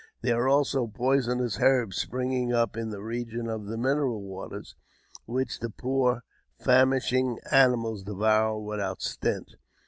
There are also poisonous herbs springing up in the region of the mineral water, which the poor, famishing animals devour without stint.